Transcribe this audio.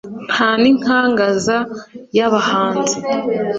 Nta n' inkangaza y' abahanzi